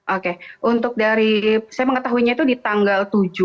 oke untuk dari saya mengetahuinya itu di tanggal tujuh